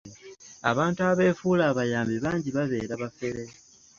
Abantu abeefuula abayambi bangi babeera bafere.